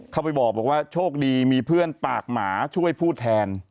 เข้าไปบอกว่าโชคดีมีเพื่อนปากหมาช่วยพูดแทน